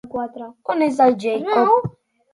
On és la Jacobè?